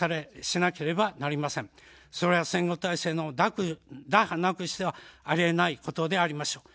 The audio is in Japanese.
それは戦後体制の打破なくしてはあり得ないことでありましょう。